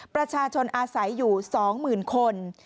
ประชาชนอาศัยอยู่๒๐๐๐คน